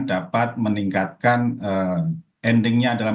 dapat meningkatkan endingnya dalam